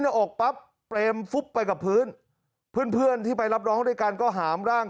หน้าอกปั๊บไปกับพื้นเพื่อนที่ไปรับน้องด้วยกันก็หาร่าง